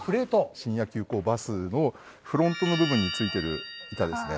深夜急行バスのフロントの部分に付いてる板ですね。